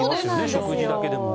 食事だけでも、お昼。